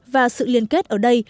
và sự liên kết ở đây